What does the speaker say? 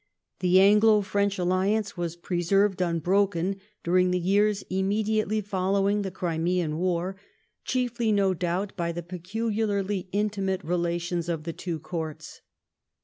The Anglo French alliance was preserved unbroken during the years immediately following the Crimean war^ chiefly no doubt by the peculiarly intimate relations of the two courts.